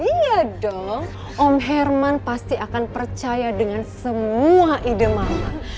iya dong om herman pasti akan percaya dengan semua ide mama